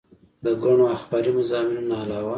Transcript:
د ګڼو اخباري مضامينو نه علاوه